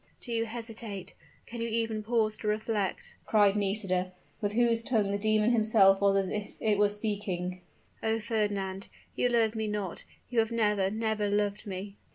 "Do you hesitate? Can you even pause to reflect?" cried Nisida, with whose tongue the demon himself was as it were speaking. "Oh, Fernand, you love me not, you have never, never loved me."